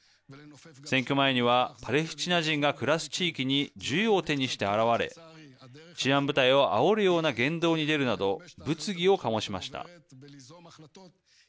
選挙前にはパレスチナ人が暮らす地域に銃を手にして現れ治安部隊をあおるような言動に出るなど物議を醸しました。